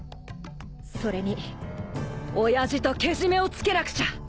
それに親父とけじめをつけなくちゃ！